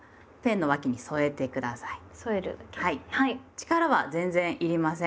力は全然要りません。